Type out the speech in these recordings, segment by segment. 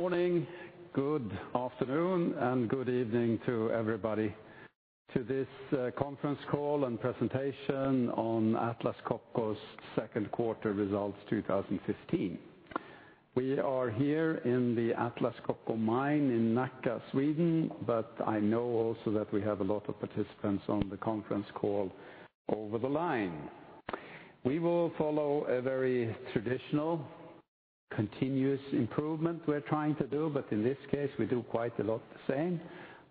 Good morning, good afternoon, and good evening to everybody to this conference call and presentation on Atlas Copco's second quarter results 2015. We are here in the Atlas Copco mine in Nacka, Sweden, but I know also that we have a lot of participants on the conference call over the line. We will follow a very traditional continuous improvement we're trying to do, but in this case, we do quite a lot the same.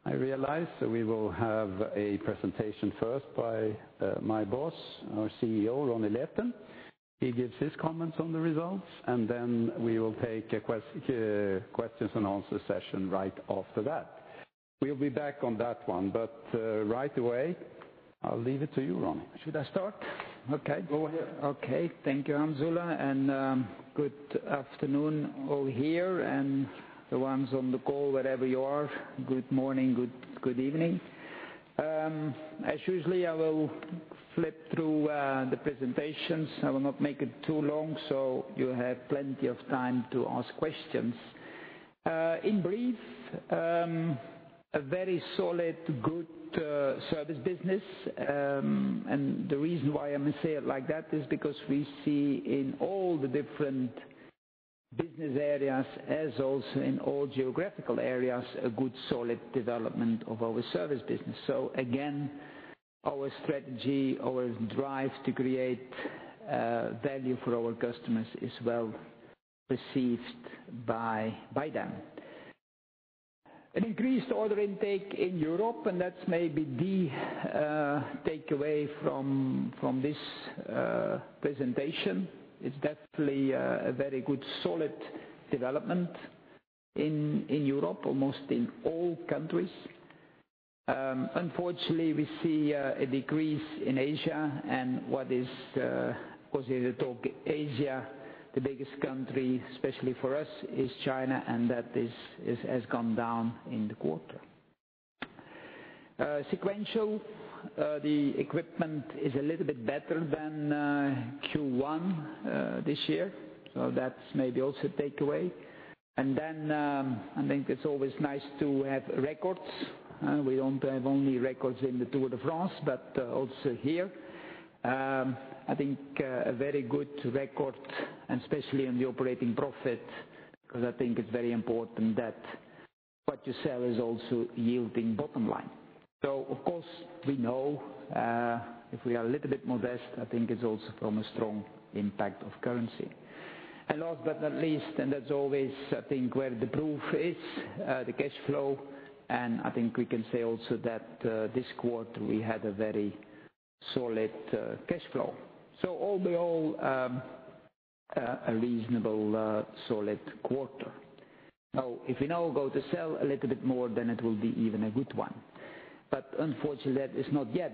I realize we will have a presentation first by my boss, our CEO, Ronnie Leten. He gives his comments on the results, then we will take a questions and answer session right after that. We'll be back on that one. Right away, I'll leave it to you, Ronnie. Should I start? Okay. Go ahead. Okay. Thank you, Hans Ola, good afternoon all here, and the ones on the call, wherever you are, good morning, good evening. As usual, I will flip through the presentations. I will not make it too long, you have plenty of time to ask questions. In brief, a very solid, good service business. The reason why I say it like that is because we see in all the different business areas, as also in all geographical areas, a good, solid development of our service business. Again, our strategy, our drive to create value for our customers is well received by them. An increased order intake in Europe, that's maybe the takeaway from this presentation. It's definitely a very good, solid development in Europe, almost in all countries. Unfortunately, we see a decrease in Asia. When we talk Asia, the biggest country, especially for us, is China, and that has gone down in the quarter. Sequential, the equipment is a little bit better than Q1 this year. That's maybe also a takeaway. I think it's always nice to have records. We don't have only records in the Tour de France, but also here. I think a very good record, especially in the operating profit, because I think it's very important that what you sell is also yielding bottom line. Of course, we know, if we are a little bit modest, I think it's also from a strong impact of currency. Last but not least, that's always, I think, where the proof is, the cash flow. I think we can say also that this quarter we had a very solid cash flow. All in all, a reasonable, solid quarter. If we now go to sell a little bit more, then it will be even a good one. Unfortunately, that is not yet.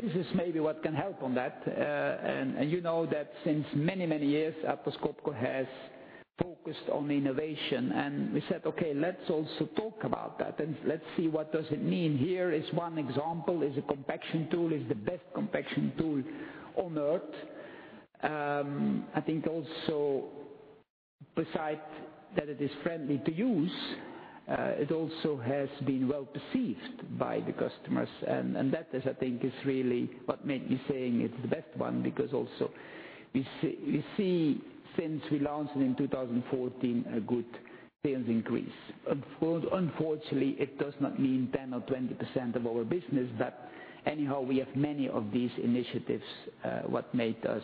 This is maybe what can help on that. You know that since many, many years, Atlas Copco has focused on innovation. We said, okay, let's also talk about that and let's see what does it mean. Here is one example, is a Compaction Tool, is the best Compaction Tool on Earth. I think also, besides that it is friendly to use, it also has been well received by the customers. That is, I think is really what made me saying it's the best one, because also we see since we launched it in 2014, a good sales increase. Unfortunately, it does not mean 10% or 20% of our business. Anyhow, we have many of these initiatives, what made us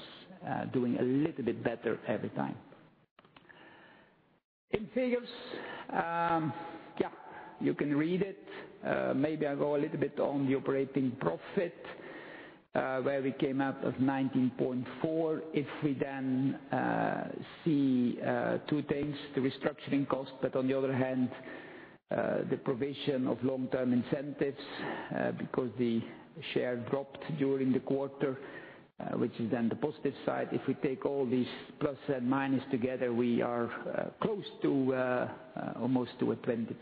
doing a little bit better every time. In figures, you can read it. Maybe I go a little bit on the operating profit, where we came out of 19.4. If we then see two things, the restructuring cost, but on the other hand, the provision of long-term incentives because the share dropped during the quarter, which is then the positive side. If we take all these plus and minus together, we are close to almost to a 20%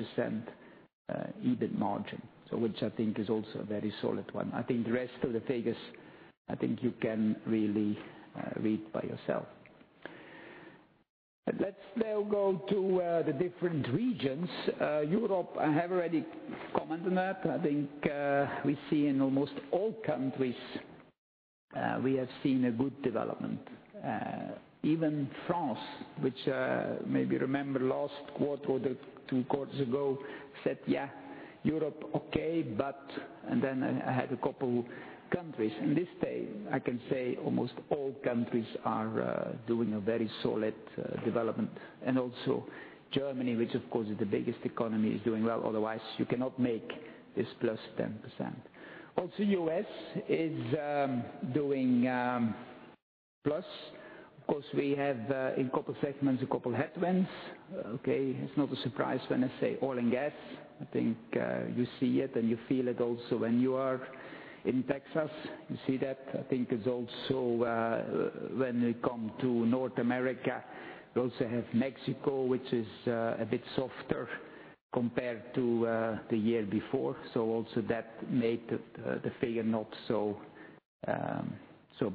EBIT margin. Which I think is also a very solid one. I think the rest of the figures, I think you can really read by yourself. Let's now go to the different regions. Europe, I have already commented on that. I think we see in almost all countries, we have seen a good development. Even France, which, maybe remember last quarter or the two quarters ago, said, yeah, Europe, okay, but I had a couple countries. In this day, I can say almost all countries are doing a very solid development. Also Germany, which of course, is the biggest economy, is doing well. Otherwise, you cannot make this +10%. Also, U.S. is doing plus. Of course, we have in a couple segments, a couple headwinds. Okay, it's not a surprise when I say oil and gas. I think you see it, and you feel it also when you are in Texas. You see that, I think, is also when we come to North America. We also have Mexico, which is a bit softer compared to the year before. Also that made the figure not so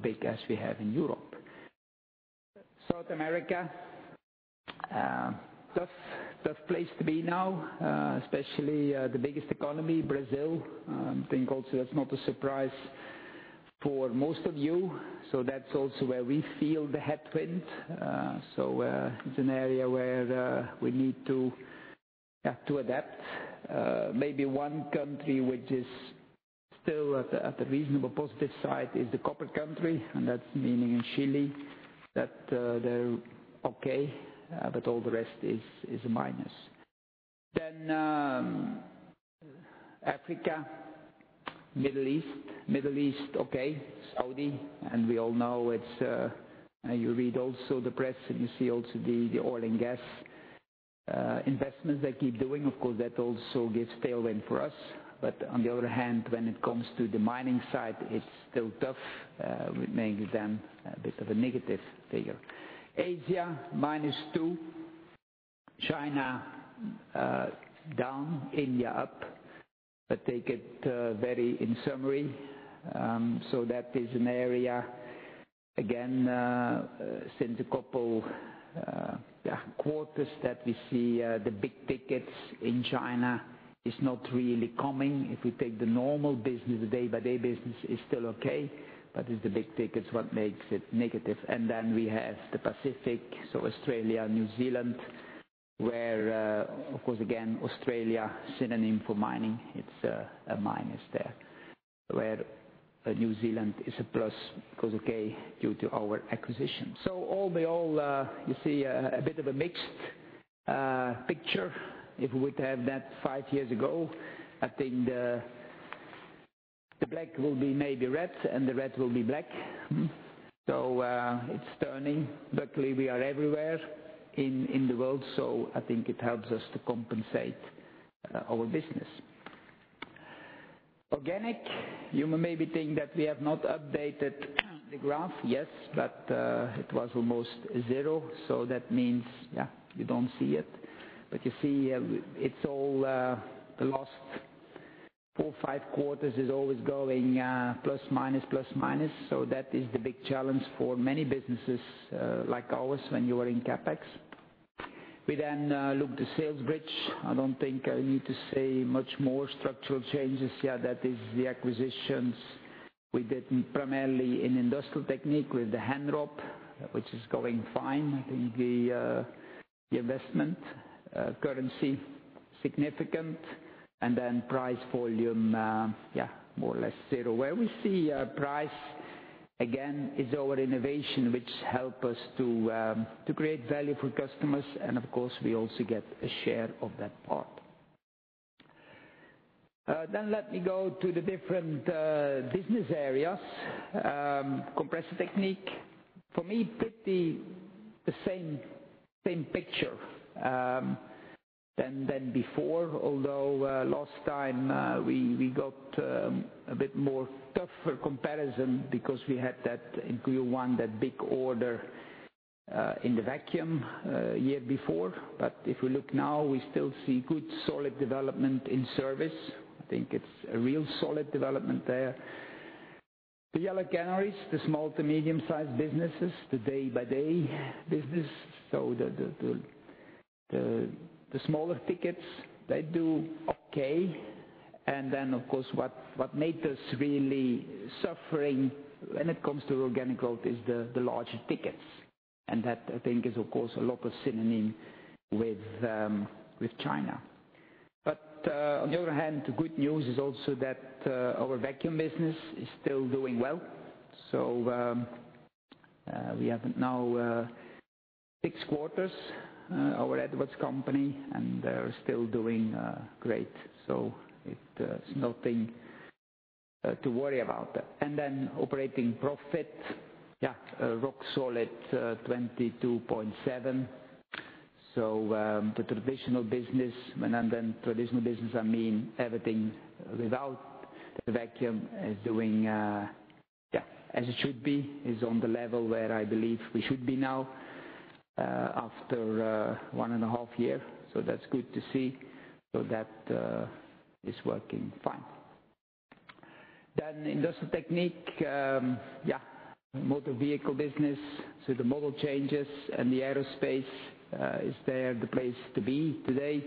big as we have in Europe. South America, tough place to be now, especially the biggest economy, Brazil. I think also that's not a surprise for most of you. That's also where we feel the headwind. It's an area where we need to have to adapt. Maybe one country which is still at the reasonable positive side is the copper country, and that's meaning in Chile, that they're okay, but all the rest is a minus. Africa, Middle East. Middle East, okay. Saudi, we all know, you read also the press, and you see also the oil and gas investments they keep doing. Of course, that also gives tailwind for us. On the other hand, when it comes to the mining side, it's still tough with maybe then a bit of a negative figure. Asia, -2. China down, India up, take it very in summary. That is an area, again, since a couple quarters that we see the big tickets in China is not really coming. If we take the normal business, the day-by-day business is still okay, but it's the big ticket is what makes it negative. We have the Pacific, so Australia, New Zealand, where, of course, again, Australia, synonym for mining. It's a minus there. New Zealand is a plus because of, due to our acquisition. All by all, you see a bit of a mixed picture. If we would have that five years ago, I think the black will be maybe red, and the red will be black. It's turning. Luckily, we are everywhere in the world, I think it helps us to compensate our business. Organic. You may be thinking that we have not updated the graph. Yes, it was almost zero, that means you don't see it. You see, it's all the last four, five quarters is always going plus, minus, plus, minus. That is the big challenge for many businesses like ours when you are in CapEx. We look the sales bridge. I don't think I need to say much more structural changes here. That is the acquisitions we did primarily in Industrial Technique with the Henrob, which is going fine. I think the investment currency significant, price volume, more or less zero. Where we see price, again, is our innovation, which help us to create value for customers. Of course, we also get a share of that part. Let me go to the different business areas. Compressor Technique. For me, pretty the same picture than before. Although last time, we got a bit more tougher comparison because we had that in Q1, that big order in the vacuum year before. If we look now, we still see good solid development in service. I think it's a real solid development there. The yellow canaries, the small to medium-sized businesses, the day-by-day business. The smaller tickets, they do okay. Of course, what made us really suffering when it comes to organic growth is the larger tickets. That I think is, of course, a local synonym with China. On the other hand, the good news is also that our vacuum business is still doing well. We have now six quarters our Edwards company, they're still doing great. It's nothing to worry about. Operating profit, rock solid 22.7. The traditional business, traditional business I mean everything without the vacuum, is doing as it should be, is on the level where I believe we should be now after one and a half year. That's good to see. That is working fine. Industrial Technique. Motor vehicle business, the model changes, the aerospace is there, the place to be today.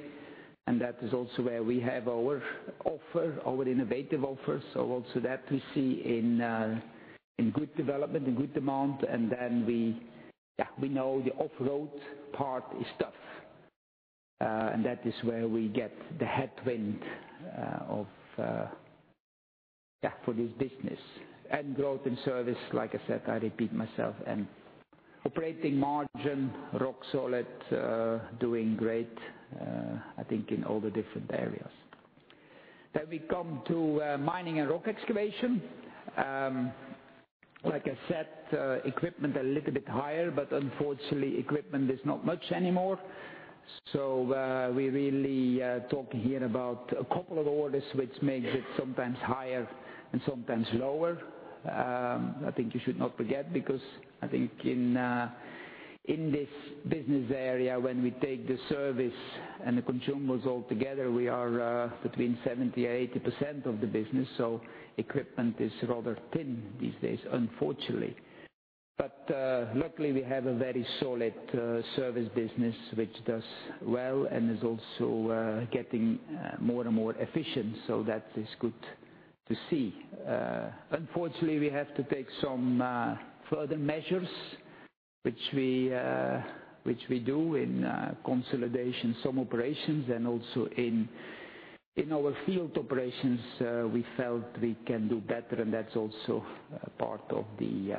That is also where we have our offer, our innovative offer. Also that we see in good development, in good demand. We know the off-road part is tough. That is where we get the headwind for this business. Growth in service, like I said, I repeat myself. Operating margin, rock solid, doing great, I think in all the different areas. We come to Mining and Rock Excavation Technique. Like I said, equipment a little bit higher, unfortunately equipment is not much anymore. We're really talking here about a couple of orders, which makes it sometimes higher and sometimes lower. I think you should not forget, because I think in this business area, when we take the service and the consumables all together, we are between 70% and 80% of the business. Equipment is rather thin these days, unfortunately. Luckily, we have a very solid service business which does well and is also getting more and more efficient. That is good to see. Unfortunately, we have to take some further measures, which we do in consolidation, some operations, in our field operations, we felt we can do better, that's part of the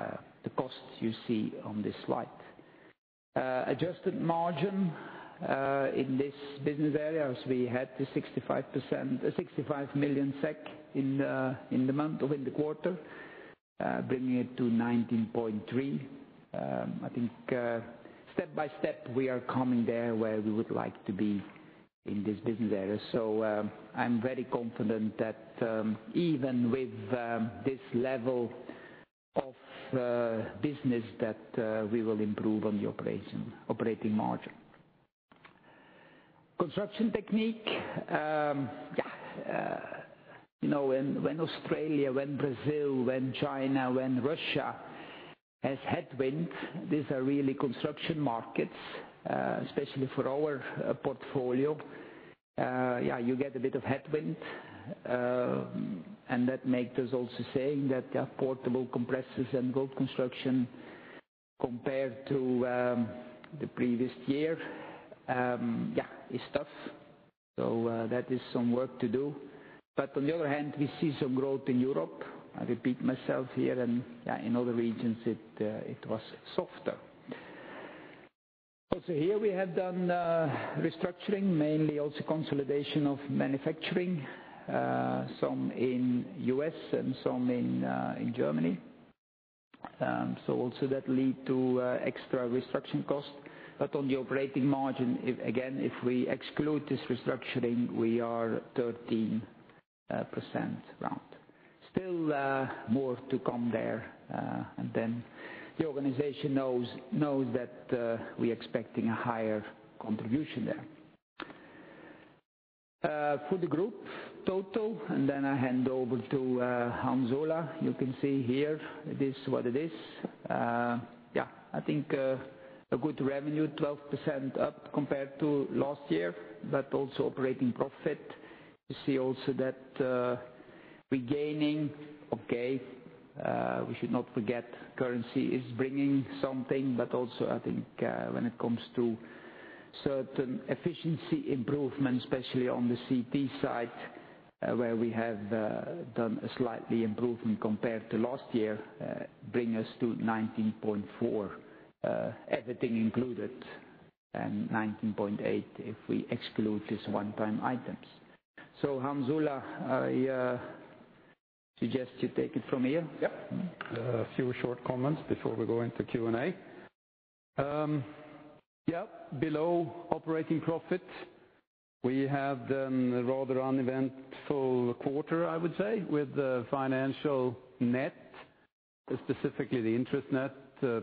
costs you see on this slide. Adjusted margin in this business area, as we had the 65 million SEK in the quarter, bringing it to 19.3. I think step by step we are coming there where we would like to be in this business area. I'm very confident that even with this level of business, that we will improve on the operating margin. Construction Technique. When Australia, when Brazil, when China, when Russia has headwind, these are really construction markets, especially for our portfolio. You get a bit of headwind, that makes us also saying that portable compressors and road construction compared to the previous year, is tough. That is some work to do. On the other hand, we see some growth in Europe. I repeat myself here, in other regions it was softer. Here we have done restructuring, mainly consolidation of manufacturing, some in U.S. in Germany. That lead to extra restructuring costs. On the operating margin, again, if we exclude this restructuring, we are 13% round. Still more to come there. The organization knows that we expecting a higher contribution there. For the group total, I hand over to Hans Ola Meyer. You can see here it is what it is. I think a good revenue, 12% up compared to last year, also operating profit. You see also that we gaining, okay, we should not forget currency is bringing something, but also I think when it comes to certain efficiency improvements, especially on the Construction Technique side, where we have done a slightly improvement compared to last year, bring us to 19.4%, everything included, and 19.8% if we exclude these one-time items. Hans Ola, I suggest you take it from here. Yes. A few short comments before we go into Q&A. Below operating profit, we have done a rather uneventful quarter, I would say, with the financial net, specifically the interest net,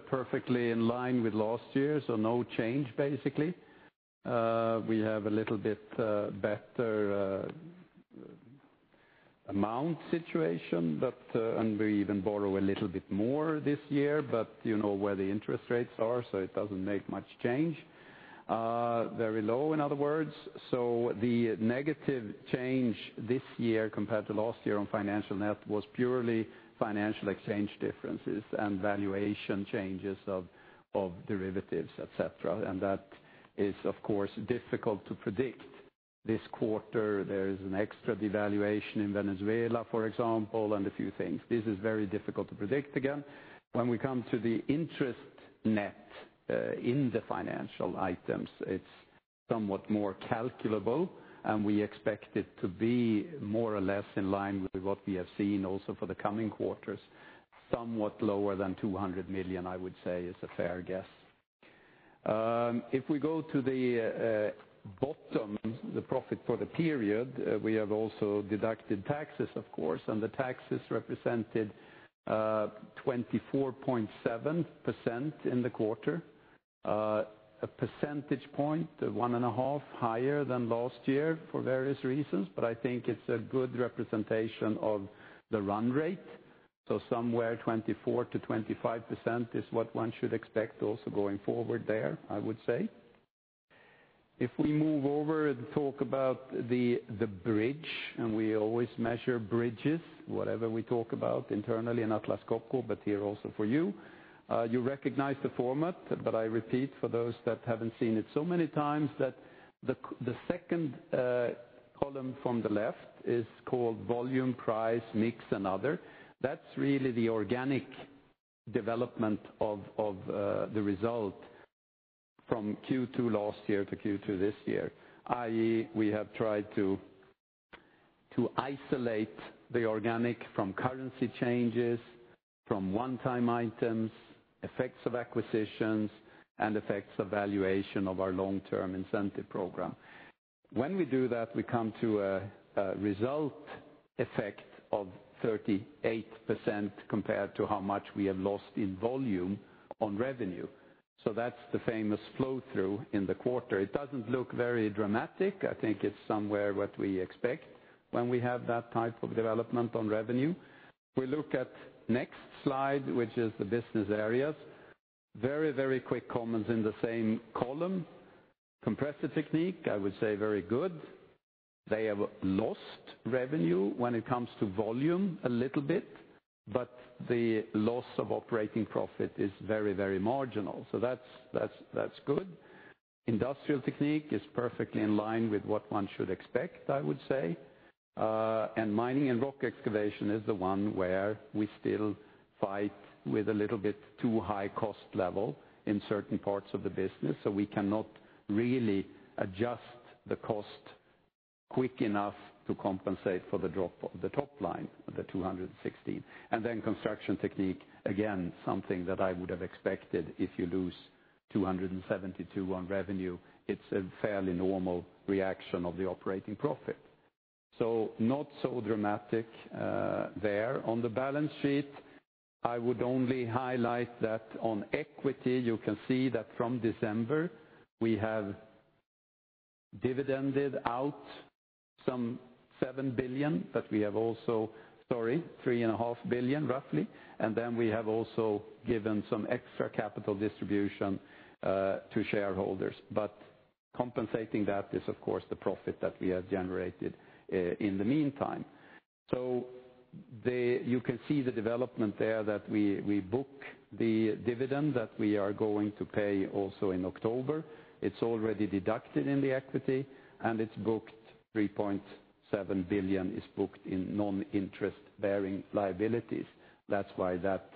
perfectly in line with last year. No change, basically. We have a little bit better amount situation, and we even borrow a little bit more this year, but you know where the interest rates are, so it doesn't make much change. Very low, in other words. The negative change this year compared to last year on financial net was purely financial exchange differences and valuation changes of derivatives, et cetera. That is, of course, difficult to predict. This quarter, there is an extra devaluation in Venezuela, for example, and a few things. This is very difficult to predict again. When we come to the interest net in the financial items, it's somewhat more calculable, and we expect it to be more or less in line with what we have seen also for the coming quarters, somewhat lower than 200 million, I would say is a fair guess. If we go to the bottom, the profit for the period, we have also deducted taxes, of course, and the taxes represented 24.7% in the quarter. A percentage point 1.5 higher than last year for various reasons, but I think it's a good representation of the run rate. Somewhere 24%-25% is what one should expect also going forward there, I would say. If we move over and talk about the bridge, we always measure bridges, whatever we talk about internally in Atlas Copco, but here also for you. You recognize the format, but I repeat for those that haven't seen it so many times, that the second column from the left is called volume price mix and other. That's really the organic development of the result from Q2 last year to Q2 this year, i.e., we have tried to isolate the organic from currency changes, from one-time items, effects of acquisitions, and effects of valuation of our long-term incentive program. When we do that, we come to a result effect of 38% compared to how much we have lost in volume on revenue. That's the famous flow-through in the quarter. It doesn't look very dramatic. I think it's somewhere what we expect when we have that type of development on revenue. If we look at next slide, which is the business areas, very quick comments in the same column. Compressor Technique, I would say very good. They have lost revenue when it comes to volume a little bit, but the loss of operating profit is very marginal. That's good. Industrial Technique is perfectly in line with what one should expect, I would say. Mining and Rock Excavation is the one where we still fight with a little bit too high cost level in certain parts of the business. We cannot really adjust the cost quick enough to compensate for the drop of the top line, the 216. Construction Technique, again, something that I would have expected if you lose 272 on revenue. It's a fairly normal reaction of the operating profit. Not so dramatic there. On the balance sheet, I would only highlight that on equity, you can see that from December, we have dividended out some 7 billion, but we have also-- Sorry, 3.5 billion, roughly. We have also given some extra capital distribution to shareholders. Compensating that is, of course, the profit that we have generated in the meantime. You can see the development there that we book the dividend that we are going to pay also in October. It's already deducted in the equity, and it's booked 3.7 billion, is booked in non-interest bearing liabilities. That's why that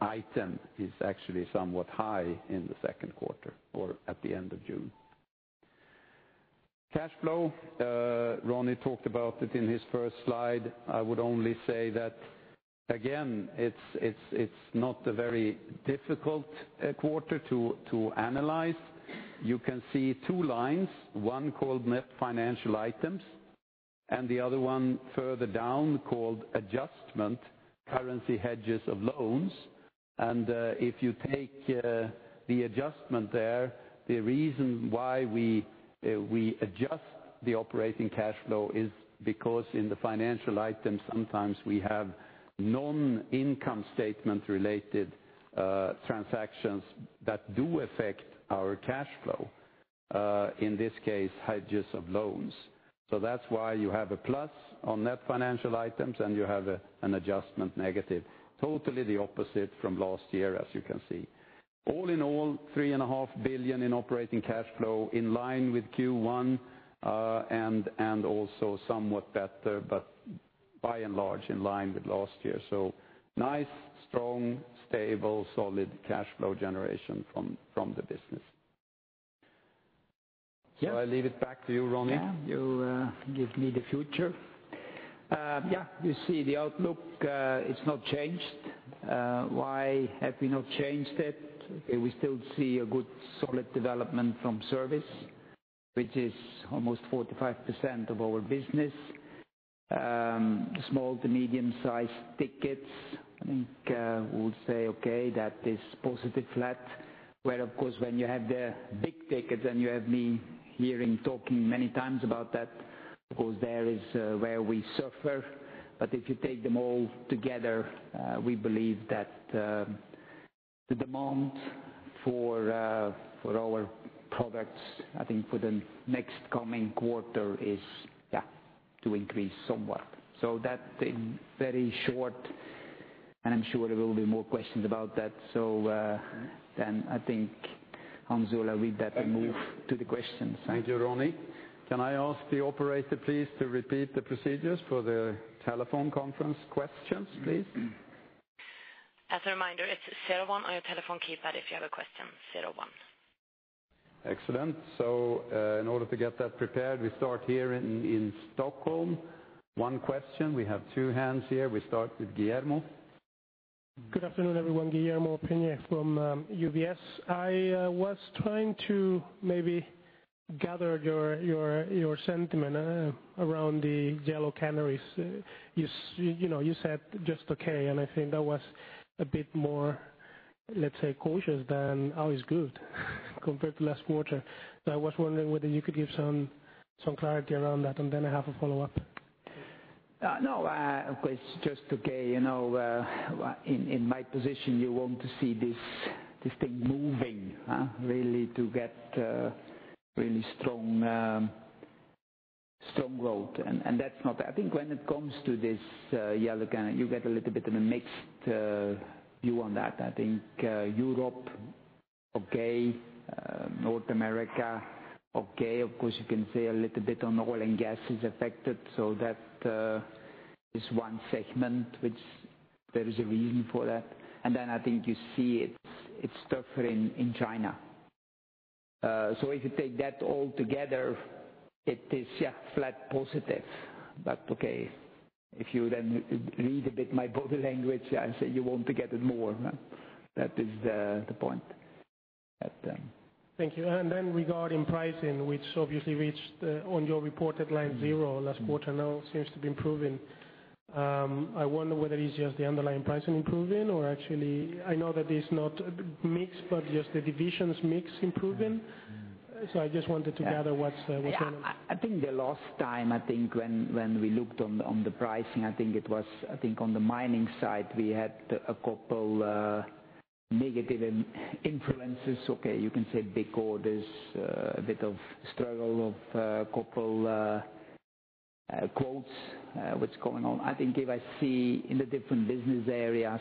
item is actually somewhat high in the second quarter or at the end of June. Cash flow, Ronnie talked about it in his first slide. I would only say that, again, it's not a very difficult quarter to analyze. You can see two lines, one called net financial items, and the other one further down called adjustment currency hedges of loans. If you take the adjustment there, the reason why we adjust the operating cash flow is because in the financial item, sometimes we have non-income statement related transactions that do affect our cash flow, in this case, hedges of loans. That's why you have a plus on net financial items, and you have an adjustment negative, totally the opposite from last year, as you can see. All in all, 3.5 billion in operating cash flow in line with Q1, and also somewhat better, but by and large in line with last year. Nice, strong, stable, solid cash flow generation from the business. I leave it back to you, Ronnie. Yeah. You give me the future. You see the outlook, it's not changed. Why have we not changed it? We still see a good solid development from service, which is almost 45% of our business. Small to medium-sized tickets, I think we would say, okay, that is positive flat, where, of course, when you have the big tickets, and you have me hearing talking many times about that, of course, there is where we suffer. If you take them all together, we believe that the demand for our products, I think for the next coming quarter is to increase somewhat. That in very short, and I'm sure there will be more questions about that. Then I think, Hans, you'll agree that we move to the questions. Thank you, Ronnie. Can I ask the operator please to repeat the procedures for the telephone conference questions, please? As a reminder, it's zero one on your telephone keypad if you have a question, zero one. Excellent. In order to get that prepared, we start here in Stockholm. One question. We have two hands here. We start with Guillermo. Good afternoon, everyone. Guillermo Peigneux-Lojo from UBS. I was trying to maybe gather your sentiment around the yellow canaries. You said just okay, and I think that was a bit more, let's say, cautious than, "Oh, it's good," compared to last quarter. I was wondering whether you could give some clarity around that, and then I have a follow-up. No, of course, just okay. In my position, you want to see this thing moving, really to get really strong growth. I think when it comes to this yellow canary, you get a little bit of a mixed view on that. I think Europe, okay, North America, okay. Of course, you can say a little bit on oil and gas is affected. That is one segment which there is a reason for that. I think you see it's tougher in China. If you take that all together, it is just flat positive. Okay, if you then read a bit my body language, I say you want to get it more. That is the point. Thank you. Then regarding pricing, which obviously reached on your reported line zero last quarter, now seems to be improving. I wonder whether it's just the underlying pricing improving or actually, I know that it's not mixed, but just the divisions mix improving. I just wanted to gather what's going on. I think the last time, when we looked on the pricing, it was on the mining side, we had a couple negative influences. Okay, you can say big orders, a bit of struggle of couple quotes, what's going on. I think if I see in the different business areas,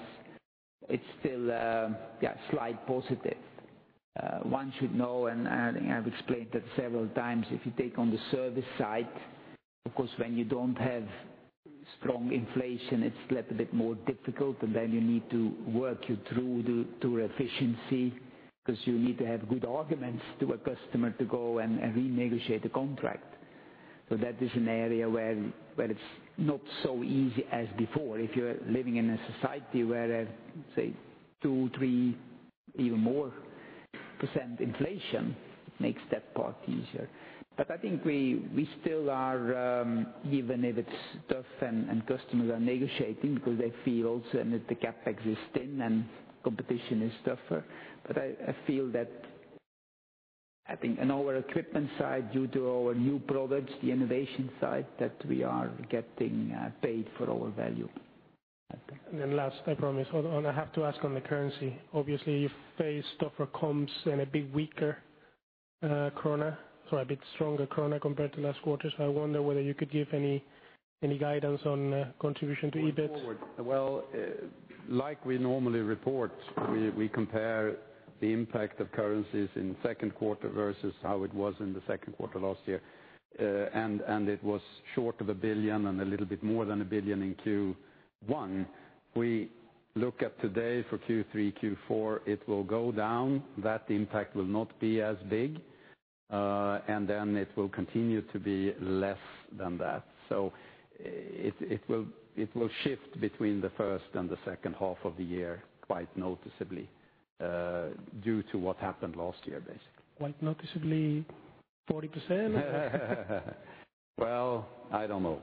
it's still, yeah, slight positive. One should know, I think I've explained it several times, if you take on the service side, of course, when you don't have strong inflation, it's a little bit more difficult, then you need to work through to efficiency because you need to have good arguments to a customer to go and renegotiate the contract. That is an area where it's not so easy as before. If you're living in a society where, say two, three, even more % inflation, makes that part easier. I think we still are, even if it's tough and customers are negotiating because they feel also the CapEx is thin and competition is tougher. I feel that, I think in our equipment side, due to our new products, the innovation side, that we are getting paid for our value. Last, I promise, and I have to ask on the currency. Obviously, you face tougher comps and a bit weaker krona, so a bit stronger krona compared to last quarter. I wonder whether you could give any guidance on contribution to EBIT. Going forward. Like we normally report, we compare the impact of currencies in second quarter versus how it was in the second quarter last year. It was short of 1 billion and a little bit more than 1 billion in Q1. We look at today for Q3, Q4, it will go down, that impact will not be as big. It will continue to be less than that. It will shift between the first and the second half of the year quite noticeably, due to what happened last year, basically. Quite noticeably, 40%? I don't know.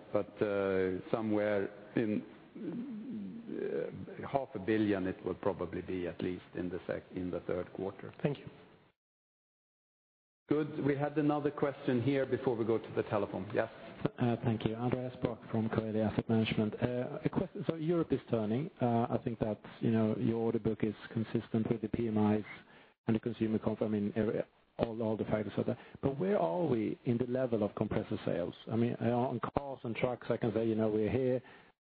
Somewhere in SEK half a billion, it will probably be at least in the third quarter. Thank you. Good. We had another question here before we go to the telephone. Yes. Thank you. Andreas Brock from Coeli Asset Management. Europe is turning. I think that your order book is consistent with the PMIs and the consumer confidence, all the factors of that. Where are we in the level of compressor sales? I mean, on cars and trucks, I can say, we're here,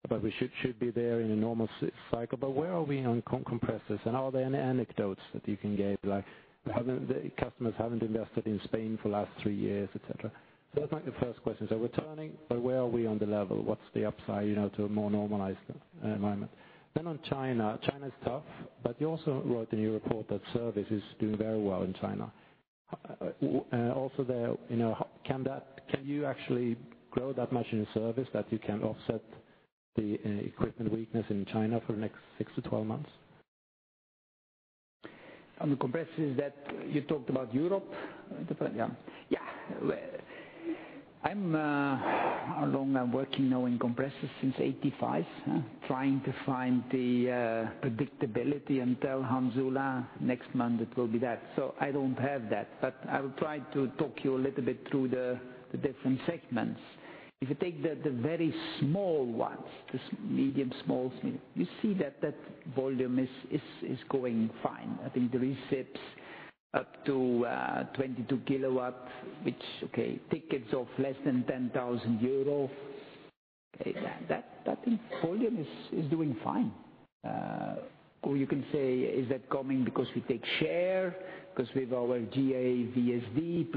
but we should be there in a normal cycle. Where are we on compressors, and are there any anecdotes that you can give, like the customers haven't invested in Spain for the last three years, et cetera? That's my first question. We're turning, but where are we on the level? What's the upside to a more normalized environment? On China's tough, but you also wrote in your report that service is doing very well in China. Also there, can you actually grow that much in service that you can offset the equipment weakness in China for the next six to 12 months? On the compressors that you talked about Europe? Yeah. How long I'm working now in compressors? Since 1985, trying to find the predictability and tell Hans Ola next month it will be that. I don't have that, but I will try to talk you a little bit through the different segments. If you take the very small ones, the medium, small, you see that that volume is going fine. I think the recips up to 22 kW, which, okay, tickets of less than 10,000 euro. That volume is doing fine. You can say, is that coming because we take share? With our GA VSD+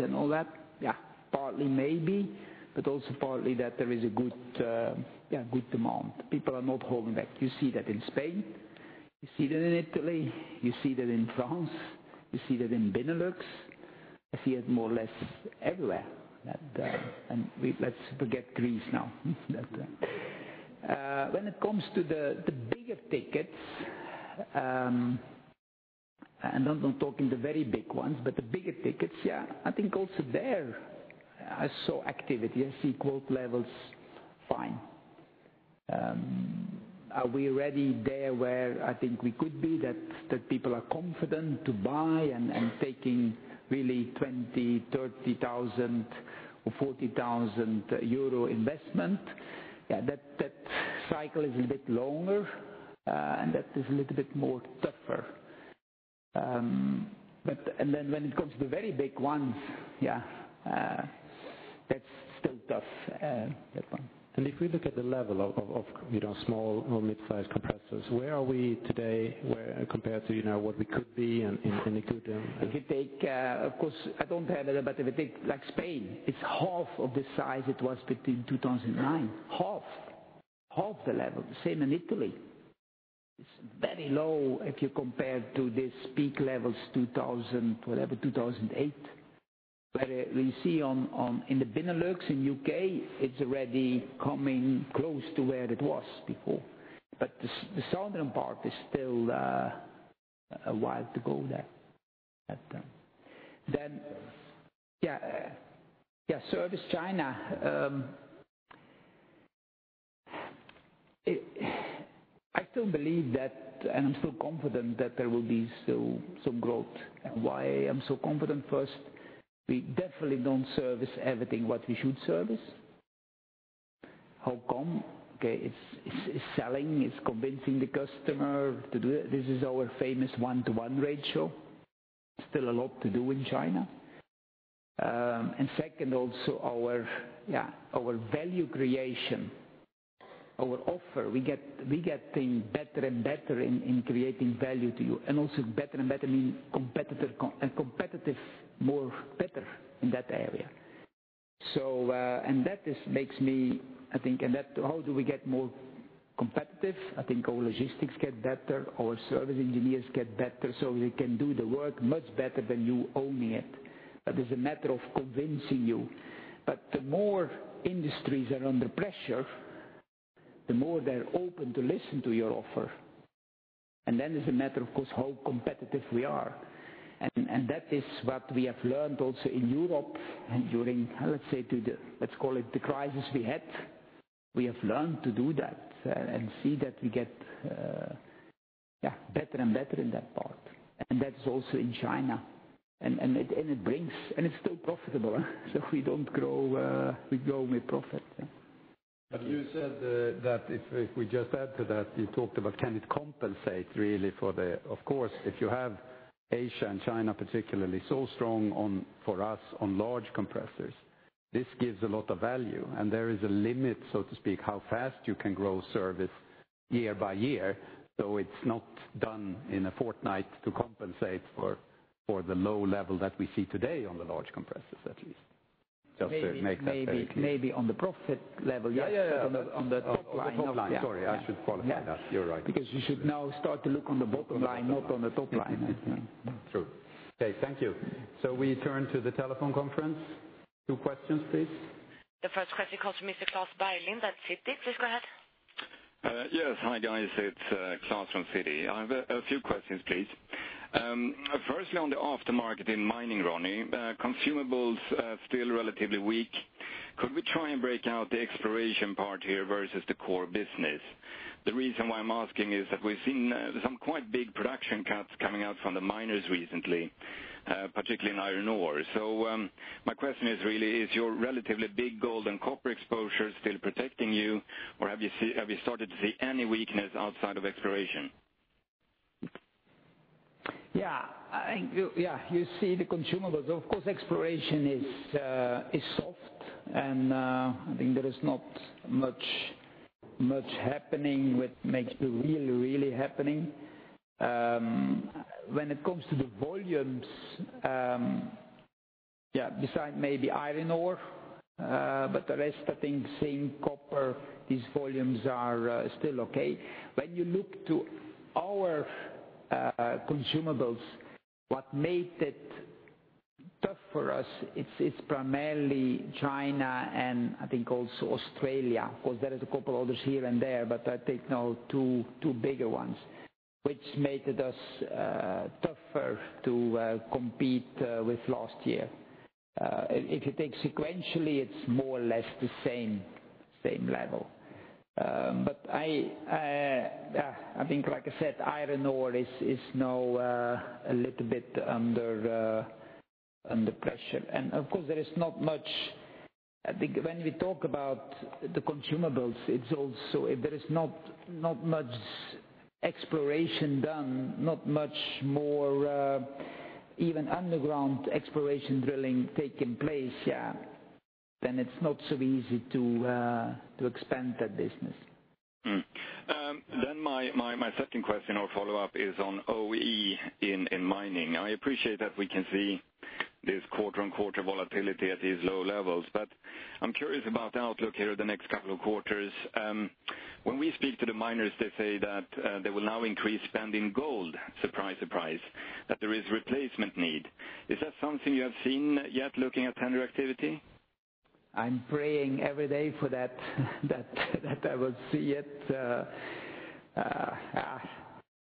and all that? Yeah, partly maybe, but also partly that there is a good demand. People are not holding back. You see that in Spain. You see that in Italy. You see that in France. You see that in Benelux. I see it more or less everywhere. Let's forget Greece now. When it comes to the bigger tickets, I'm not talking the very big ones, but the bigger tickets, yeah, I think also there I saw activity. I see quote levels fine. Are we ready there where I think we could be that people are confident to buy and taking really 20,000, 30,000 or 40,000 euro investment? Yeah, that cycle is a bit longer, and that is a little bit more tougher. When it comes to the very big ones, yeah, that's still tough, that one. If we look at the level of small or mid-size compressors, where are we today compared to what we could be in a good year? If you take, of course, I don't have that, but if you take Spain, it's half of the size it was between 2009. Half. Half the level. Same in Italy. It's very low if you compare to this peak levels 2000, whatever, 2008. We see in the Benelux, in U.K., it's already coming close to where it was before. The southern part is still a while to go there at the moment. Service China. I still believe that, and I'm still confident that there will be still some growth. Why I'm so confident? First, we definitely don't service everything what we should service. How come? Okay, it's selling, it's convincing the customer to do it. This is our famous one-to-one ratio. Still a lot to do in China. Second, also our value creation, our offer, we get things better and better in creating value to you and also better and better mean competitive, more better in that area. How do we get more competitive? I think our logistics get better, our service engineers get better, so we can do the work much better than you owning it. It's a matter of convincing you. The more industries are under pressure, the more they're open to listen to your offer. Then it's a matter, of course, how competitive we are. That is what we have learned also in Europe and during, let's call it the crisis we had. We have learned to do that and see that we get better and better in that part. That's also in China. It's still profitable. We don't grow, we grow with profit, yeah. You said that if we just add to that, you talked about can it compensate really for the, of course, if you have Asia and China particularly so strong for us on large compressors, this gives a lot of value. There is a limit, so to speak, how fast you can grow service year by year. It's not done in a fortnight to compensate for the low level that we see today on the large compressors, at least. Just to make that very clear. Maybe on the profit level, yes. Yeah. On the top line, no. Sorry, I should qualify that. You are right. You should now start to look on the bottom line, not on the top line. True. Okay, thank you. We turn to the telephone conference. Two questions, please. The first question comes from Mr. Klas Bergelind at Citi. Please go ahead. Yes. Hi, guys. It's Klas from Citi. I have a few questions, please. Firstly, on the aftermarket in mining, Ronnie. Consumables are still relatively weak. Could we try and break out the exploration part here versus the core business? The reason why I'm asking is that we've seen some quite big production cuts coming out from the miners recently, particularly in iron ore. My question is really, is your relatively big gold and copper exposure still protecting you, or have you started to see any weakness outside of exploration? Yeah. You see the consumables. Of course, exploration is soft and I think there is not much happening with makes the really happening. When it comes to the volumes, beside maybe iron ore, the rest I think same copper, these volumes are still okay. When you look to our consumables, what made it tough for us, it's primarily China and I think also Australia. Of course, there is a couple others here and there, but I think now 2 bigger ones, which made it us tougher to compete with last year. If you think sequentially, it's more or less the same level. I think, like I said iron ore is now a little bit under pressure. Of course there is not much, I think when we talk about the consumables, it's also, if there is not much exploration done, not much more even underground exploration drilling taking place, then it's not so easy to expand that business. My second question or follow-up is on OE in mining. I appreciate that we can see this quarter-on-quarter volatility at these low levels. I'm curious about the outlook here the next couple of quarters. When we speak to the miners, they say that they will now increase spend in gold, surprise, that there is replacement need. Is that something you have seen yet looking at tender activity? I'm praying every day for that I will see it.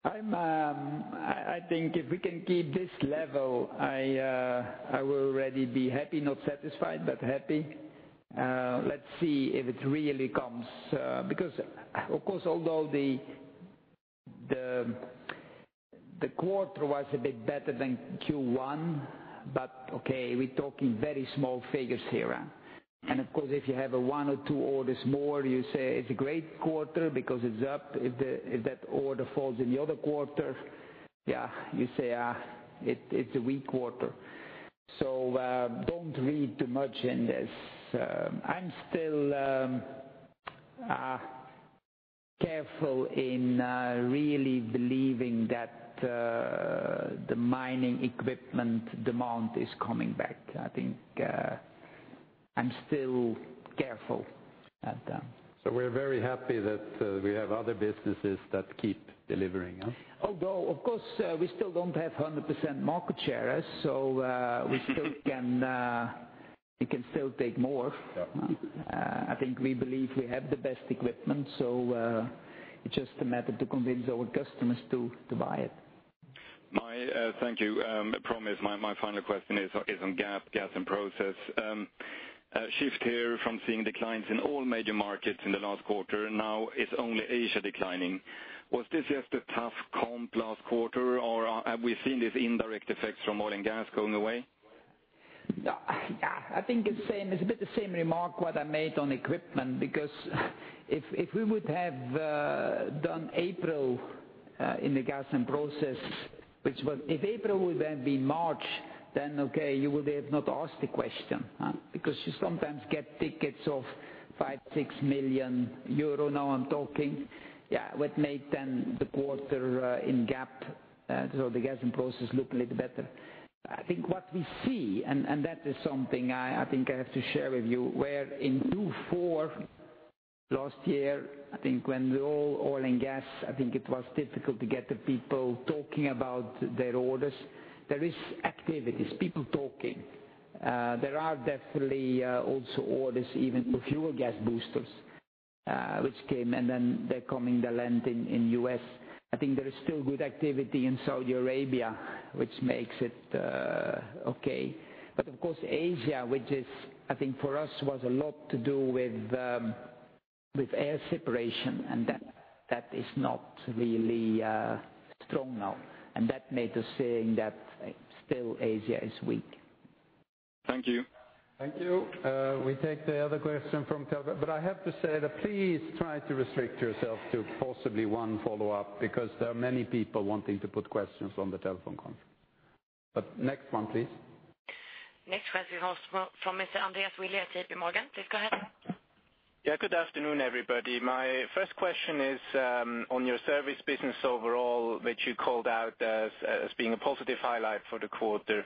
I think if we can keep this level, I will already be happy. Not satisfied, but happy. Let's see if it really comes. Of course, although the quarter was a bit better than Q1, but okay, we're talking very small figures here. Of course, if you have a one or two orders more, you say it's a great quarter because it's up. If that order falls in the other quarter, you say, it's a weak quarter. Don't read too much in this. I'm still careful in really believing that the mining equipment demand is coming back. I think I'm still careful at that. We're very happy that we have other businesses that keep delivering. Although, of course, we still don't have 100% market share. We can still take more. Yeah. I think we believe we have the best equipment. It's just a matter to convince our customers to buy it. My thank you. Promise my final question is on Gas and Process. Shift here from seeing declines in all major markets in the last quarter. Now it's only Asia declining. Was this just a tough comp last quarter, or have we seen these indirect effects from oil and gas going away? I think it's a bit the same remark what I made on equipment. If April would then be March, then okay, you would have not asked the question. You sometimes get tickets of 5, 6 million euro. I'm talking, what made the quarter in Gas and Process look a little better. I think what we see, and that is something I think I have to share with you, where in Q4 last year, I think when we all oil and gas, I think it was difficult to get the people talking about their orders. There is activities, people talking. There are definitely also orders even for fuel gas boosters, which came and then they're coming, they land in U.S. I think there is still good activity in Saudi Arabia, which makes it okay. Of course, Asia, which is, I think for us, was a lot to do with air separation and that is not really strong now. That made us saying that still Asia is weak. Thank you. Thank you. We take the other question from telephone, but I have to say that please try to restrict yourself to possibly one follow-up, because there are many people wanting to put questions on the telephone conference. Next one, please. Next question comes from Mr. Andreas Willi at JP Morgan. Please go ahead. Good afternoon, everybody. My first question is on your service business overall, which you called out as being a positive highlight for the quarter.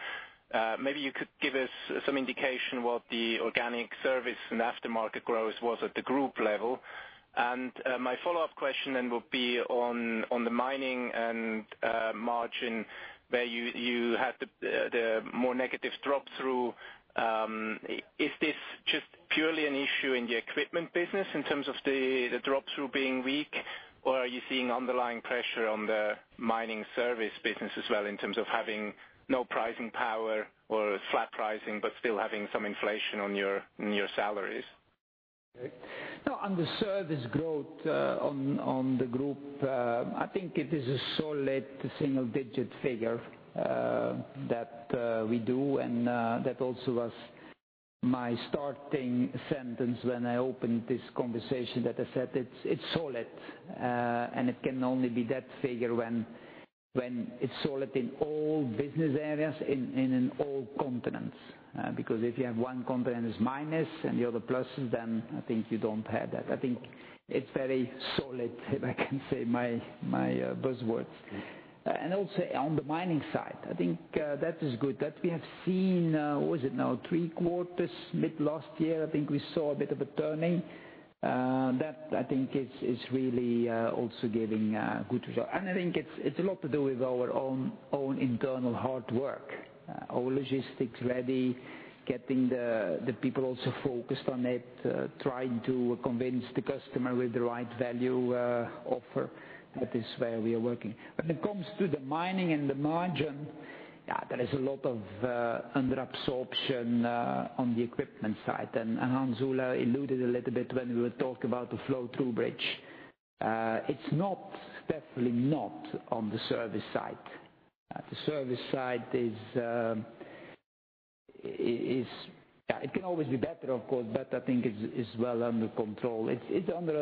Maybe you could give us some indication what the organic service and aftermarket growth was at the group level. My follow-up question then will be on the mining and margin where you have the more negative flow-through. Is this just purely an issue in the equipment business in terms of the flow-through being weak, or are you seeing underlying pressure on the mining service business as well in terms of having no pricing power or flat pricing, but still having some inflation on your salaries? I think it is a solid single-digit figure that we do and that also was my starting sentence when I opened this conversation that I said it's solid, and it can only be that figure when it's solid in all business areas and in all continents. If you have one continent is minus and the other plus, I think you don't have that. I think it's very solid, if I can say my buzzwords. On the mining side, I think that is good that we have seen, what is it now? Three quarters mid last year. I think we saw a bit of a turning. That I think is really also giving good result. I think it's a lot to do with our own internal hard work. Our logistics ready, getting the people also focused on it, trying to convince the customer with the right value offer. That is where we are working. When it comes to the mining and the margin, there is a lot of under absorption on the equipment side. Hans Ola alluded a little bit when we were talking about the flow-through bridge. It's definitely not on the service side. The service side. It can always be better, of course, but I think it's well under control. It's under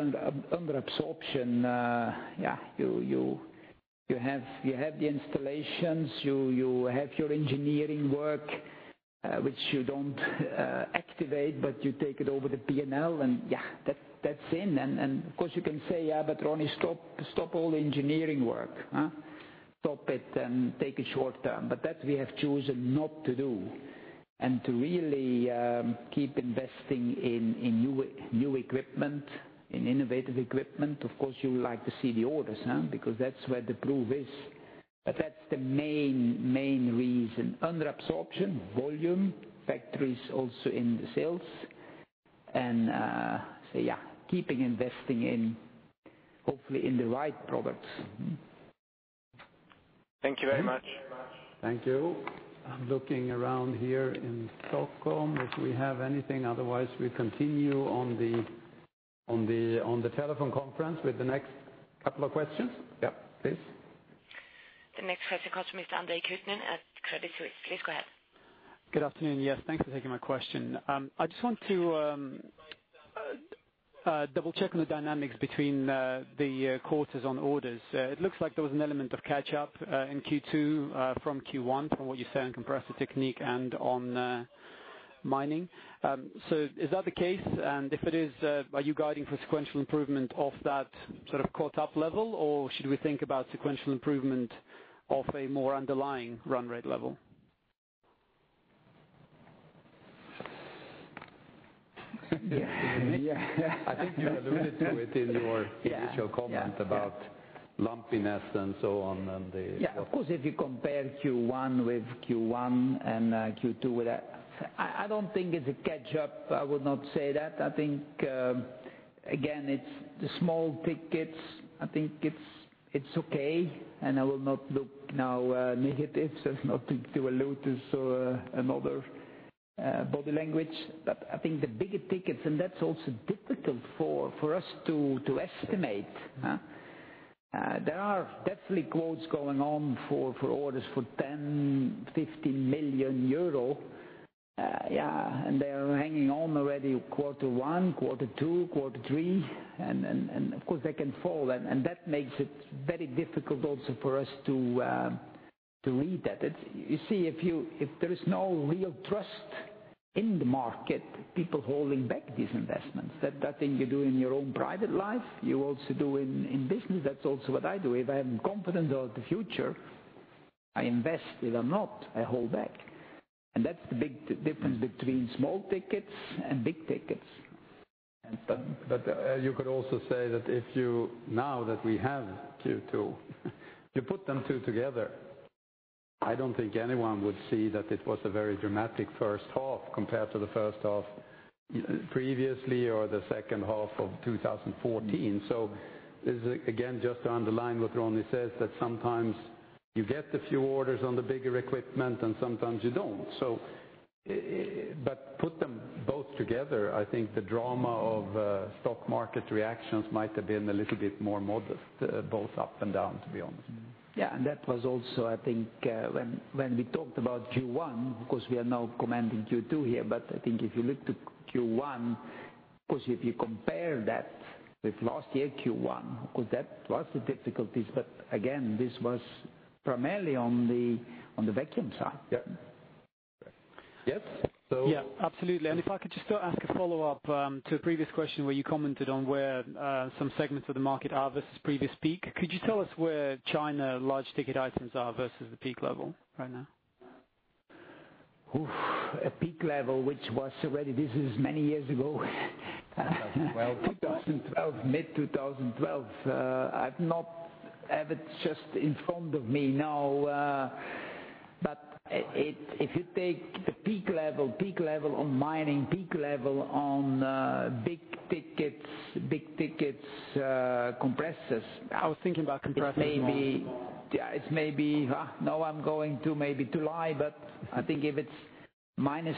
absorption. You have the installations, you have your engineering work, which you don't activate, but you take it over the P&L and that's in. Of course you can say, "Yeah, but Ronnie, stop all the engineering work." Stop it and take a short term. That we have chosen not to do, and to really keep investing in new equipment, in innovative equipment. Of course, you would like to see the orders. That's where the proof is. That's the main reason. Under absorption, volume, factories also in the sales, keeping investing in, hopefully in the right products. Thank you very much. Thank you. I'm looking around here in Stockholm if we have anything. Otherwise, we continue on the telephone conference with the next couple of questions. Yep, please. The next question comes from Mr. Andre Kukhnin at Credit Suisse. Please go ahead. Good afternoon. Yes, thanks for taking my question. I just want to double check on the dynamics between the quarters on orders. It looks like there was an element of catch up in Q2 from Q1 from what you say on Compressor Technique and on mining. Is that the case? If it is, are you guiding for sequential improvement of that sort of caught up level, or should we think about sequential improvement of a more underlying run rate level? Yeah. I think you alluded to it in your Yeah initial comment about lumpiness and so on. Yeah. Of course, if you compare Q1 with Q1 and Q2 with that, I do not think it's a catch-up. I would not say that. I think, again, it's the small tickets. I think it's okay, and I will not look now negatives as nothing to allude to another body language. I think the bigger tickets, and that's also difficult for us to estimate. There are definitely quotes going on for orders for 10, 15 million euro. Yeah. They are hanging on already quarter one, quarter two, quarter three, and of course they can fall, and that makes it very difficult also for us to read that. You see, if there is no real trust in the market, people holding back these investments. That thing you do in your own private life, you also do in business. That's also what I do. If I am confident about the future, I invest. If I am not, I hold back. That's the big difference between small tickets and big tickets. You could also say that if you, now that we have Q2, you put them two together, I do not think anyone would see that it was a very dramatic first half compared to the first half previously or the second half of 2014. This is, again, just to underline what Ronnie says, that sometimes you get a few orders on the bigger equipment and sometimes you do not. Put them both together, I think the drama of stock market reactions might have been a little bit more modest, both up and down, to be honest. Yeah. That was also, I think, when we talked about Q1, because we are now commenting Q2 here, but I think if you look to Q1, of course, if you compare that with last year Q1, because that was the difficulties. Again, this was primarily on the vacuum side. Yeah. Okay. Yes. Yeah, absolutely. If I could just ask a follow-up to a previous question where you commented on where some segments of the market are versus previous peak. Could you tell us where China large ticket items are versus the peak level right now? Oof. A peak level which was already, this is many years ago. 2012. 2012, mid-2012. I've not have it just in front of me now. If you take the peak level on mining, peak level on big tickets, compressors- I was thinking about compressors more It may be, now I'm going to maybe to lie, I think if it's -20,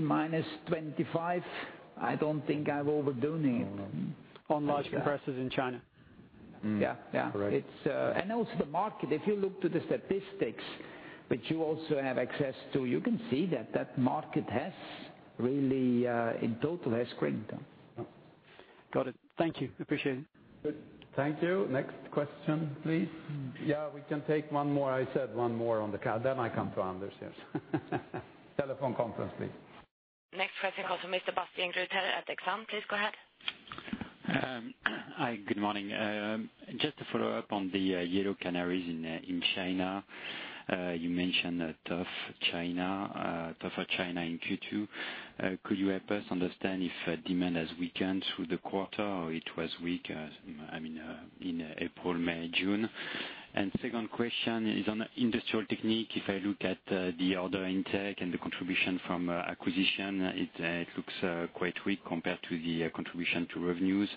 -25, I don't think I'm overdoing it. Oh, no. On large compressors in China? Yeah. Correct. Also the market, if you look to the statistics, which you also have access to, you can see that that market has really, in total, has cranked down. Yeah. Got it. Thank you. Appreciate it. Good. Thank you. Next question, please. We can take one more. I said one more on the car, I come to Anders, yes. Telephone conference, please. Next question comes from Mr. Sebastian Kuenne at Exane. Please go ahead. Hi, good morning. Just to follow up on the yellow canaries in China. You mentioned a tough China, tougher China in Q2. Could you help us understand if demand has weakened through the quarter or it was weak in April, May, June? Second question is on Industrial Technique. If I look at the order intake and the contribution from acquisition, it looks quite weak compared to the contribution to revenues.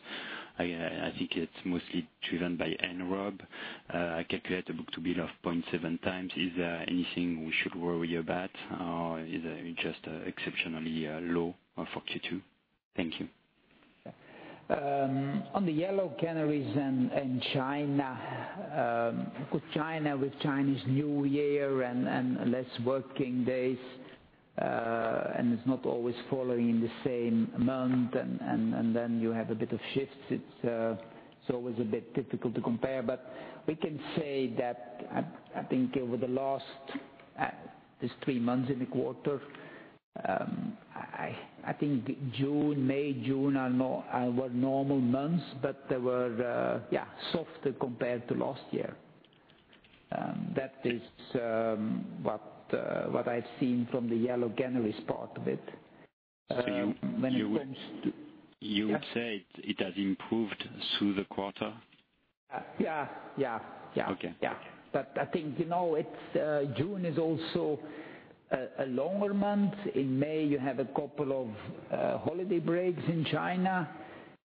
I think it's mostly driven by Henrob. I calculate a book-to-bill of 0.7 times. Is there anything we should worry about or is it just exceptionally low for Q2? Thank you. On the yellow canaries and China. Look, China with Chinese New Year and less working days, and it's not always following in the same month, and then you have a bit of shifts. It's always a bit difficult to compare, but we can say that I think over the last, just three months in the quarter, I think May, June were normal months, but they were softer compared to last year. That is what I've seen from the yellow canaries part of it. You. When it comes to- You would say it has improved through the quarter? Yeah. Okay. I think June is also a longer month. In May you have a couple of holiday breaks in China.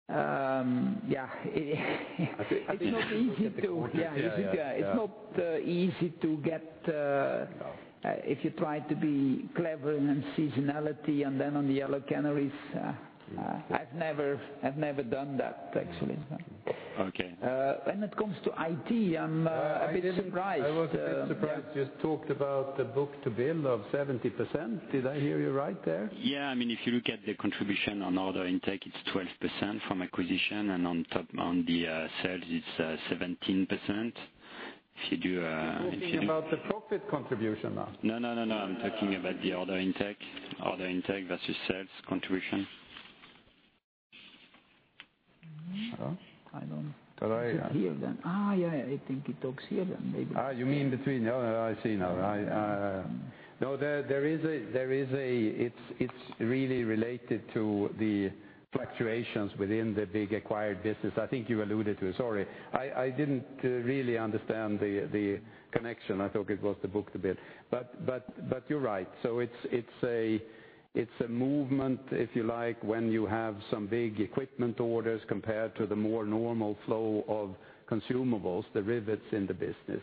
Yeah. At the end of the quarter. Yeah. It's not easy to get, if you try to be clever in seasonality and then on the yellow canaries, I've never done that, actually, so. Okay. When it comes to IT, I'm a bit surprised. I was a bit surprised you just talked about the book-to-bill of 70%. Did I hear you right there? Yeah. If you look at the contribution on order intake, it's 12% from acquisition and on top on the sales it's 17%. I'm talking about the profit contribution now. No, I'm talking about the order intake. Order intake versus sales contribution. I don't- But I- Here then. Yeah. I think it talks here then maybe. You mean between. I see now. It's really related to the fluctuations within the big acquired business. I think you alluded to it. Sorry. I didn't really understand the connection. I thought it was the book-to-bill. You're right. It's a movement, if you like, when you have some big equipment orders compared to the more normal flow of consumables, the rivets in the business.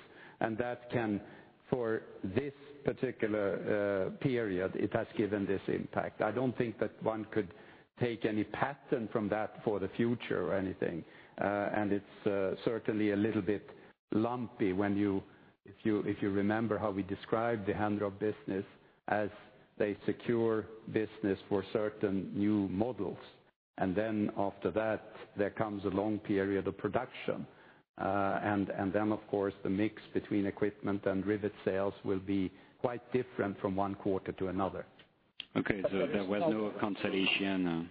That can, for this particular period, it has given this impact. I don't think that one could take any pattern from that for the future or anything. It's certainly a little bit lumpy when you, if you remember how we described the Henrob business as they secure business for certain new models. Then after that, there comes a long period of production. Of course, the mix between equipment and rivet sales will be quite different from one quarter to another. Okay. There was no consolidation?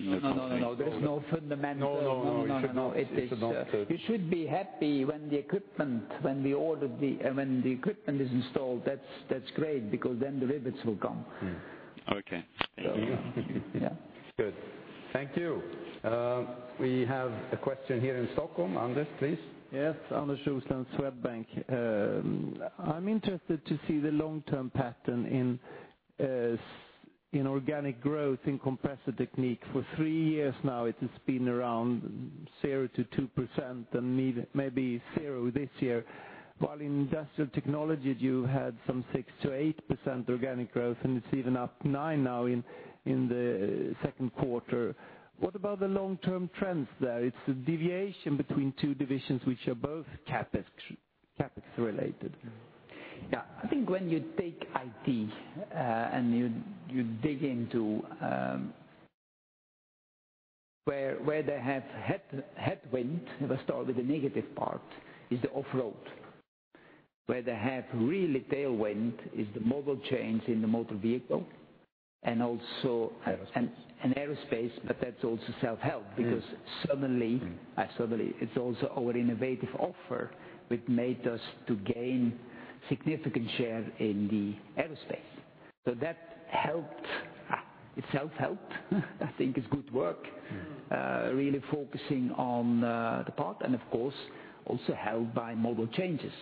No, there is no fundamental. No, it's not. You should be happy when the equipment is installed. That's great, because then the rivets will come. Okay. Yeah. Good. Thank you. We have a question here in Stockholm. Anders, please. Yes. Anders Idborg, Swedbank. I'm interested to see the long-term pattern in organic growth in Compressor Technique. For three years now it has been around 0-2% and maybe 0% this year. While in Industrial Technique, you had some 6-8% organic growth, and it's even up 9% now in the second quarter. What about the long-term trends there? It's a deviation between two divisions, which are both CapEx related. Yeah. I think when you take IT, you dig into where they have headwind, let us start with the negative part, is the off-road. Where they have really tailwind is the model change in the motor vehicle. Aerospace Aerospace, that's also self-help because suddenly, it's also our innovative offer, which made us to gain significant share in the aerospace. That helped. It self-helped. I think it's good work, really focusing on the part, of course, also helped by model changes,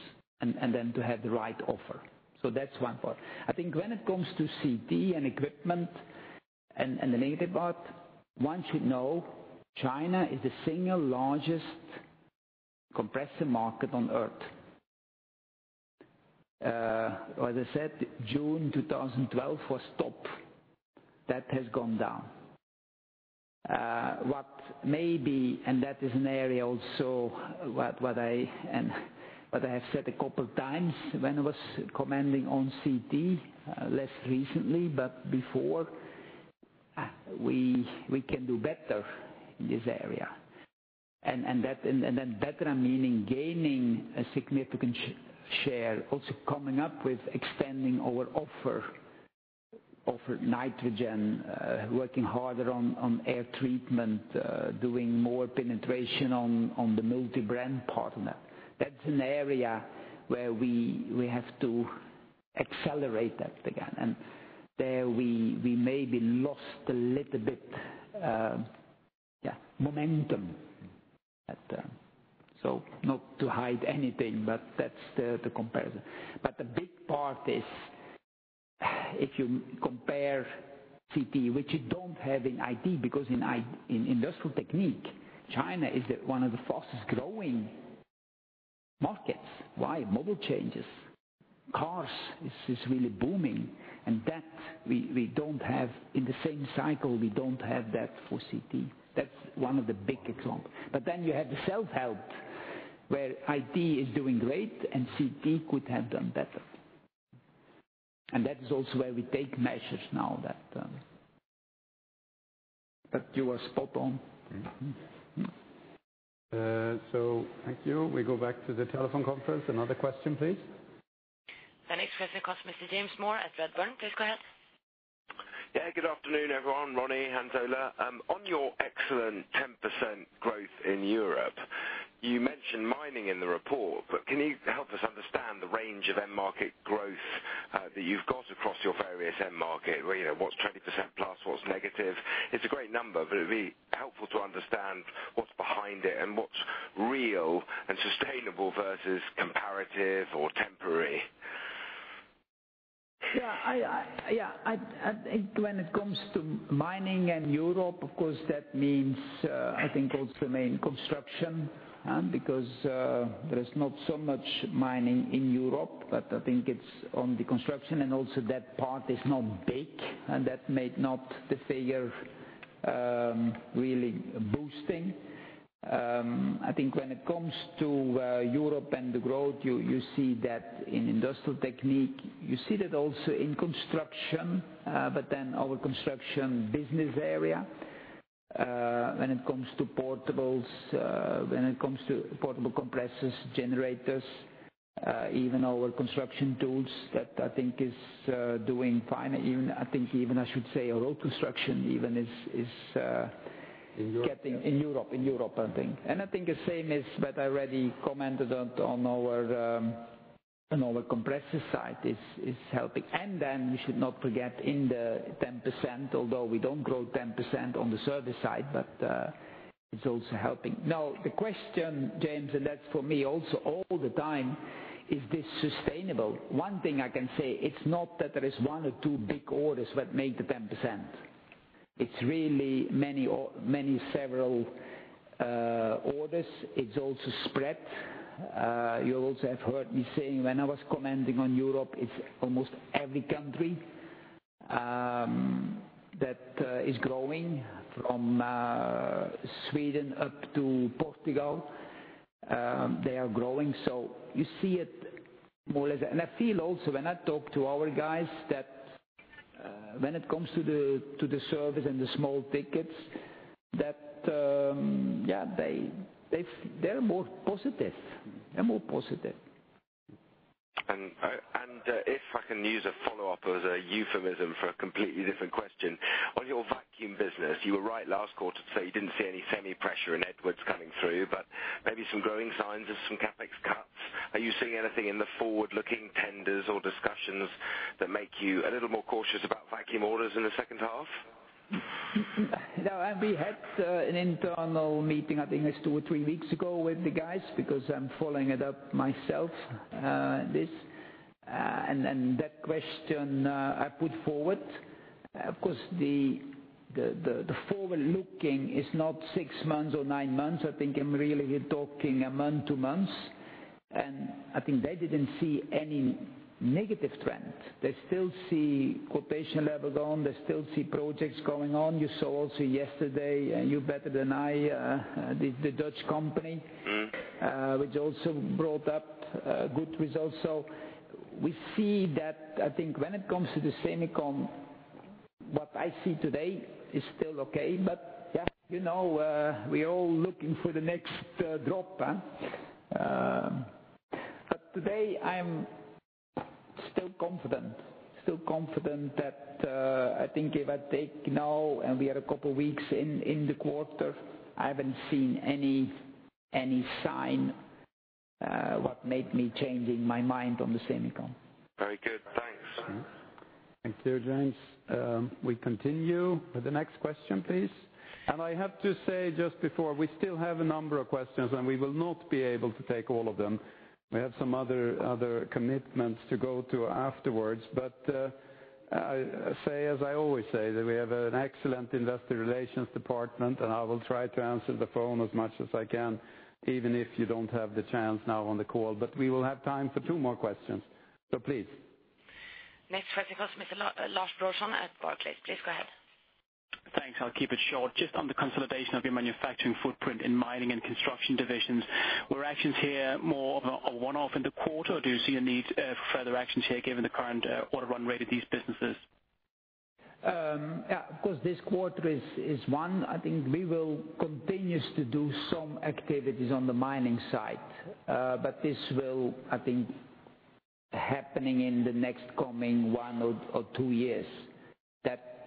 to have the right offer. That's one part. I think when it comes to CT and equipment and the negative part, one should know China is the single largest compressor market on Earth. As I said, June 2012 was top. That has gone down. What may be, that is an area also what I have said a couple times when I was commenting on CT, less recently, but before, we can do better in this area. Better, meaning gaining a significant share, also coming up with expanding our offer, nitrogen, working harder on Air Treatment, doing more penetration on the multi-brand partner. That's an area where we have to accelerate that again, and there we maybe lost a little bit, yeah, momentum. Not to hide anything, that's the comparison. The big part is if you compare CT, which you don't have in IT, because in Industrial Technique, China is one of the fastest-growing markets. Why? Model changes. Cars is really booming, that we don't have in the same cycle, we don't have that for CT. That's one of the big examples. You have the self-help, where IT is doing great and CT could have done better. That is also where we take measures now. You are spot on. Thank you. We go back to the telephone conference. Another question, please. The next question comes from Mr. James Moore at Redburn. Please go ahead. Good afternoon, everyone. Ronnie, Hans Ola. On your excellent 10% growth in Europe, you mentioned mining in the report, can you help us understand the range of end market growth that you've got across your various end market, where you have what's 20%+ what's negative? It's a great number, it'd be helpful to understand what's behind it and what's real and sustainable versus comparative or temporary. I think when it comes to mining and Europe, of course, that means, also main construction, because there is not so much mining in Europe, I think it's on the construction, also that part is not big, that made not the figure really boosting. I think when it comes to Europe and the growth, you see that in Industrial Technique. You see that also in Construction. Our Construction business area, when it comes to portables, when it comes to portable compressors, generators Even our construction tools that I think is doing fine. In Europe getting in Europe, I think. I think the same is what I already commented on our compressor side is helping. We should not forget in the 10%, although we don't grow 10% on the service side, but it's also helping. The question, James, and that's for me also all the time, is this sustainable? One thing I can say, it's not that there is one or two big orders that made the 10%. It's really many several orders. It's also spread. You also have heard me saying when I was commenting on Europe, it's almost every country that is growing from Sweden up to Portugal. They are growing. You see it more or less. I feel also when I talk to our guys that when it comes to the service and the small tickets, that they're more positive. If I can use a follow-up as a euphemism for a completely different question. On your vacuum business, you were right last quarter to say you didn't see any semi pressure in Edwards coming through, but maybe some growing signs of some CapEx cuts. Are you seeing anything in the forward-looking tenders or discussions that make you a little more cautious about vacuum orders in the second half? No, we had an internal meeting, I think it's two or three weeks ago with the guys because I'm following it up myself, this. That question, I put forward. Of course, the forward-looking is not six months or nine months. I think I'm really talking a month, two months, I think they didn't see any negative trend. They still see quotation levels on, they still see projects going on. You saw also yesterday, you better than I, the Dutch company- which also brought up good results. We see that, I think when it comes to the semicon, what I see today is still okay, but we are all looking for the next drop. Today, I'm still confident that, I think if I take now and we are a couple weeks in the quarter, I haven't seen any sign, what made me changing my mind on the semicon. Very good. Thanks. Thank you, James. We continue with the next question, please. I have to say just before, we still have a number of questions, and we will not be able to take all of them. We have some other commitments to go to afterwards. Say as I always say, that we have an excellent investor relations department, and I will try to answer the phone as much as I can, even if you don't have the chance now on the call. We will have time for two more questions. Please. Next for us, Mr. Lars Brorson at Barclays. Please go ahead. Thanks. I'll keep it short. Just on the consolidation of your manufacturing footprint in mining and construction divisions, were actions here more of a one-off in the quarter, or do you see a need for further actions here given the current order run rate of these businesses? Of course, this quarter is one. I think we will continue to do some activities on the mining side. This will, I think, happening in the next coming one or two years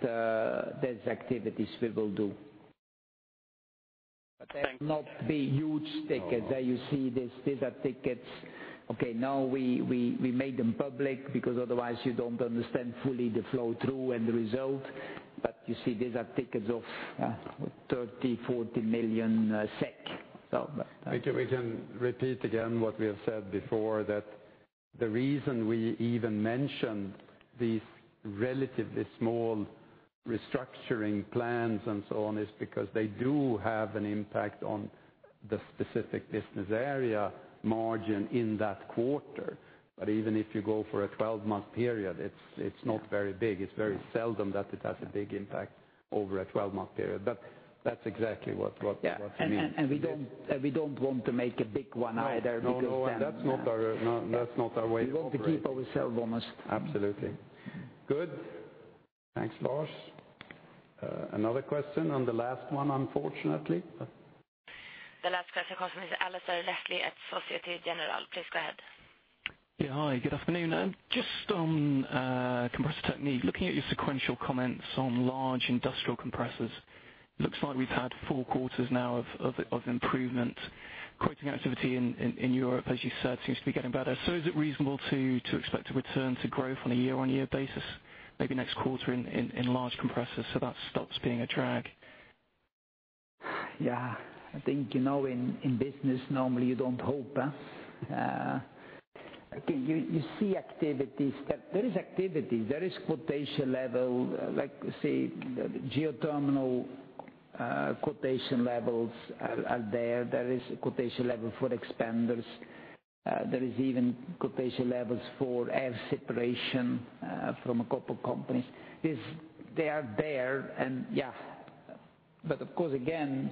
that, there's activities we will do. Thanks. They will not be huge tickets. You see these are tickets. Okay, now we made them public because otherwise you don't understand fully the flow-through and the result. You see these are tickets of 30 million, 40 million SEK. I think we can repeat again what we have said before, that the reason we even mentioned these relatively small restructuring plans and so on is because they do have an impact on the specific business area margin in that quarter. Even if you go for a 12-month period, it's not very big. It's very seldom that it has a big impact over a 12-month period. That's exactly what you mean. Yeah. We don't want to make a big one either because then. No, that's not our way to operate. We want to keep ourselves honest. Absolutely. Good. Thanks, Lars. Another question, and the last one, unfortunately. The last question comes from Mr. Alastair Bentley at Societe Generale. Please go ahead. Yeah. Hi, good afternoon. Just on Compressor Technique, looking at your sequential comments on large industrial compressors. Looks like we've had four quarters now of improvement. Quoting activity in Europe, as you said, seems to be getting better. Is it reasonable to expect a return to growth on a year-on-year basis, maybe next quarter in large compressors so that stops being a drag? Yeah. I think, in business normally you don't hope. You see activities, that there is activity, there is quotation level, like say, geothermal quotation levels are there. There is a quotation level for Turboexpanders. There is even quotation levels for Air Separation, from a couple companies. They are there, and yeah. Of course, again,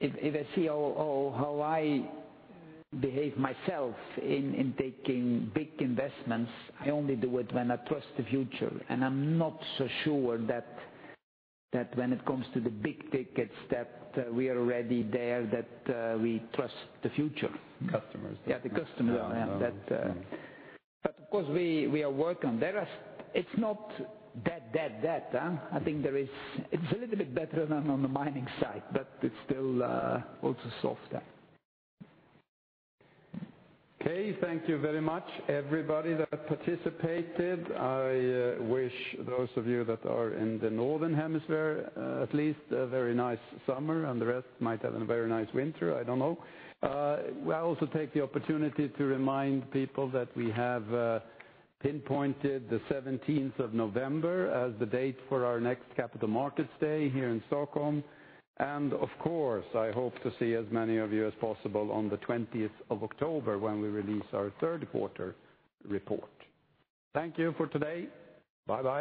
if I see how I behave myself in taking big investments, I only do it when I trust the future. I'm not so sure that when it comes to the big tickets, that we are already there, that we trust the future. Customers. Yeah. Yeah That, but of course, we are working. It's not dead. I think there is. It's a little bit better than on the mining side, but it's still also soft. Okay. Thank you very much, everybody that participated. I wish those of you that are in the northern hemisphere, at least, a very nice summer, and the rest might have a very nice winter, I don't know. I also take the opportunity to remind people that we have pinpointed the 17th of November as the date for our next capital markets day here in Stockholm. Of course, I hope to see as many of you as possible on the 20th of October when we release our third quarter report. Thank you for today. Bye-bye.